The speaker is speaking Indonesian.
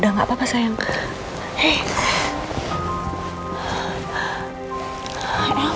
presence noh sampai selalu lagul